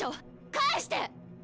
返してッ！